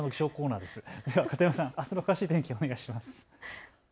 では片山さん、あすの詳しい天気、お願いします。